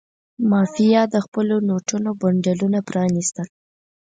مافیا د خپلو نوټونو بنډلونه پرانستل.